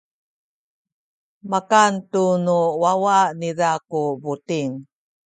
makan tu nu wawa niza ku buting.